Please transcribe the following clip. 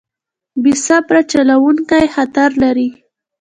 بې صبره چلوونکی خطر لري.